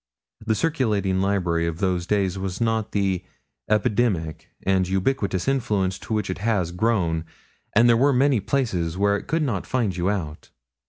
The circulating library of those days was not the epidemic and ubiquitous influence to which it has grown; and there were many places where it could not find you out.